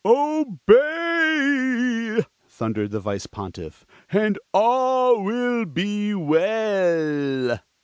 "Obey," thundered the Vice Pontiff, "and all will be well!"